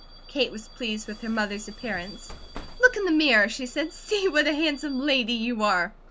Kate was pleased with her mother's appearance. "Look in the mirror," she said. "See what a handsome lady you are."